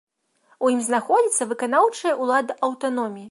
У ім знаходзіцца выканаўчая ўлада аўтаноміі.